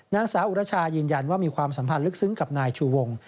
นางสาวอุรชายืนยันว่ามีความสัมพันธ์ลึกซึ้งกับนายชูวง